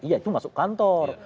iya itu masuk kantor